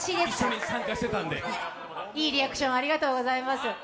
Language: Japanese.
いいリアクションをありがとうございます。